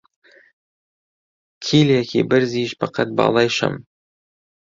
کیلێکی بەرزیش بە قەت باڵای شەم